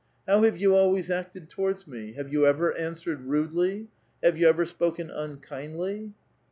How have you always acted towards me ? Have you ever answered rudely ? have you ever spoken unkindly